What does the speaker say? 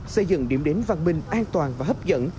xây dựng điểm đến văn minh an toàn và hấp dẫn